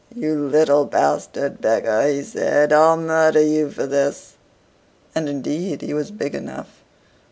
"You little bastard beggar!" he said, "I'll murder you for this!" And indeed he was big enough.